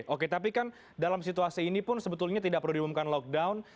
oke tapi kan dalam situasi ini pun sebetulnya tidak perlu diumumkan lockdown